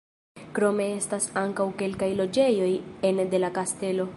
Krome estas ankaŭ kelkaj loĝejoj ene de la kastelo.